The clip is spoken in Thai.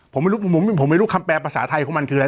ผมไม่รู้ผมไม่รู้คำแปลภาษาไทยของมันคืออะไร